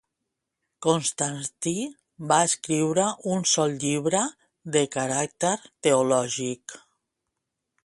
Constantí va escriure un sol llibre de caràcter teològic.